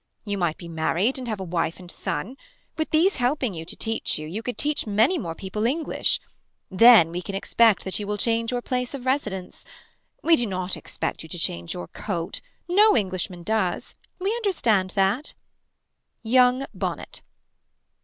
You might be married and have a wife and son. With these helping you to teach you could teach many more people English. Then we can expect that you will change your place of residence. We do not expect you to change your coat. No Englishman does. We understand that. Young Bonnet.